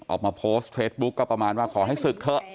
ออกมาโพสต์เฟซบุ๊กก็ประมาณว่าขอให้ศึกเถอะ